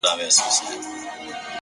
جانان ارمان د هره یو انسان دی والله’